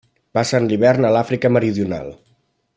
Passen l'hivern a l'Àfrica Meridional.